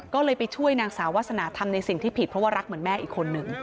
ก็เลยไปช่วยนางสาววาสนาทำในสิ่งที่ผิดเพราะว่ารักเหมือนแม่อีกคนนึง